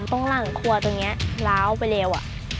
ตรงหลังครัวตรงนี้ล้าวไปเร็ว